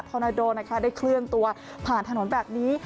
อนาโดนะคะได้เคลื่อนตัวผ่านถนนแบบนี้